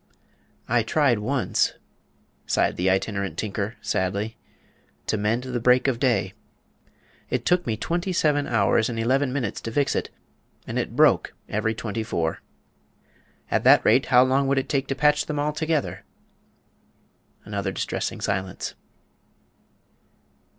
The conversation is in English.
"I tried once," sighed the Itinerant Tinker, sadly, "to mend the break of day. It took me twenty seven hours and eleven minutes to fix it, and it broke every twenty four. At that rate how long would it take to patch them all together?" Another distressing silence.